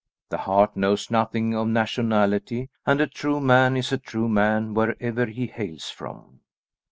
The heart knows nothing of nationality, and a true man is a true man wherever he hails from.